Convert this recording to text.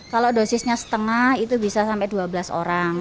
kalau dosisnya setengah itu bisa sampai dua belas orang